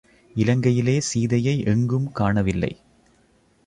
இலங்கையிலே சீதையை எங்கும் காணவில்லை.